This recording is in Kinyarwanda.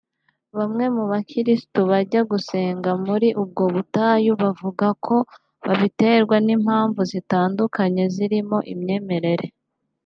Bamwe mu bakirisitu bajya gusengera muri ubwo butayu bavuga ko babiterwa n’impamvu zitandukanye zirimo imyemerere